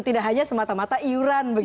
tidak hanya semata mata iuran